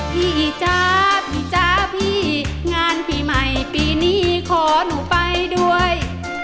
พี่จ๊ะพี่จ๊ะพี่งานปีใหม่ปีนี้ขอหนูไปด้วย